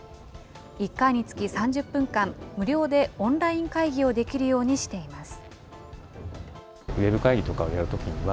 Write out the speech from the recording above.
１回につき３０分間、無料でオンライン会議をできるようにしています。